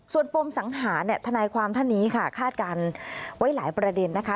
ส่วนปมสังหารทนายความท่านนี้ค่ะคาดการณ์ไว้หลายประเด็นนะคะ